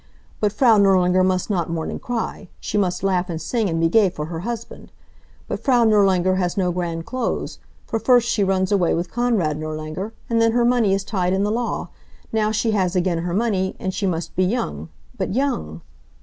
But Frau Nirlanger must not mourn and cry. She must laugh and sing, and be gay for her husband. But Frau Nirlanger has no grand clothes, for first she runs away with Konrad Nirlanger, and then her money is tied in the law. Now she has again her money, and she must be young but young!"